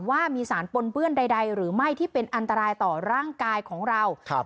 ว่ามีสารปนเปื้อนใดหรือไม่ที่เป็นอันตรายต่อร่างกายของเราครับ